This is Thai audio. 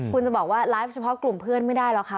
คุณจะบอกว่าไลฟ์เฉพาะกลุ่มเพื่อนไม่ได้หรอกค่ะ